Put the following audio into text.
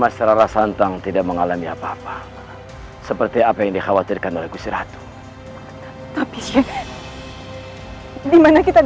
seorang panggilan ken seiner walaium union loong cah sendiri